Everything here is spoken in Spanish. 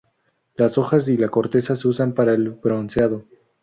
Las hojas y la corteza se usan para el bronceado.